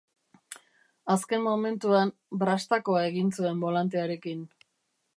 Azken momentuan, brastakoa egin zuen bolantearekin.